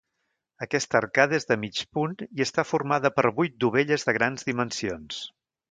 Aquesta arcada és de mig punt i està formada per vuit dovelles de grans dimensions.